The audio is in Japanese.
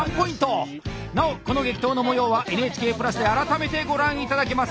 なおこの激闘の模様はＮＨＫプラスで改めてご覧頂けます。